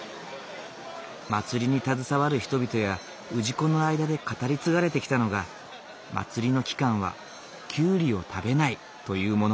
祭りに携わる人々や氏子の間で語り継がれてきたのが祭りの期間はキュウリを食べないというもの。